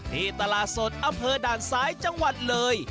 ที่ตลาดสดอำเภอด่านซ้ายจังหวัดเลย